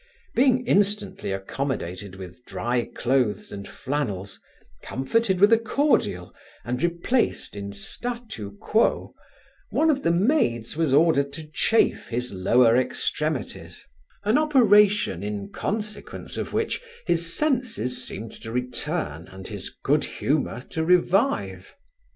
Being instantly accommodated with dry clothes and flannels, comforted with a cordial, and replaced in statu quo, one of the maids was ordered to chafe his lower extremities, an operation in consequence of which his senses seemed to return and his good humour to revive.